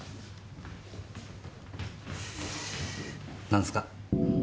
何すか？